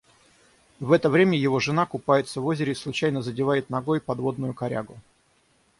В это время его жена купается в озере и случайно задевает ногой подводную корягу.